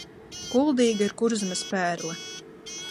Kuldīga ir Kurzemes pērle.